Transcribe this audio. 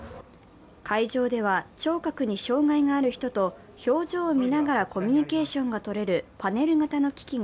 会場では聴覚に障害がある人と表情を見ながらコミュニケーションがとれるパネル型の機器が